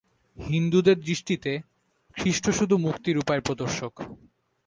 হিন্দুদের দৃষ্টিতে খ্রীষ্ট শুধু মুক্তির উপায়-প্রদর্শক।